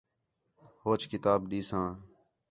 ہوچ کتاب ݙیساں